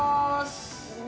お。